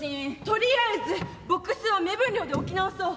とりあえずボックスを目分量で置き直そう。